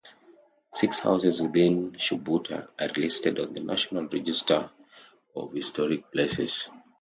Six houses within Shubuta are listed on the National Register of Historic Places.